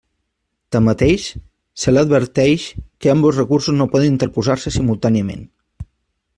Tanmateix, se l'adverteix que ambdós recursos no poden interposar-se simultàniament.